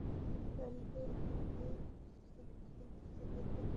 এই গানটি এখানে সাউন্ডট্র্যাক হিসেবে ব্যবহার করা হয়েছে।